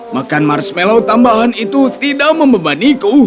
makan marshmallow tambahan itu tidak membebaniku